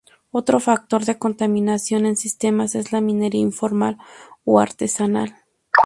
Otro factor de contaminación en sistema es la minería informal o artesanal.